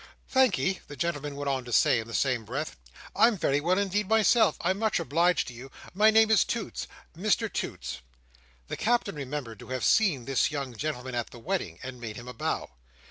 "Thankee," the gentleman went on to say in the same breath; "I'm very well indeed, myself, I'm much obliged to you. My name is Toots,—Mister Toots." The Captain remembered to have seen this young gentleman at the wedding, and made him a bow.